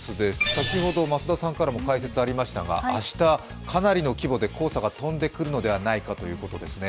先ほど増田さんからも解説ありましたが、明日、かなりの規模で黄砂が飛んでくるのではないかということですね。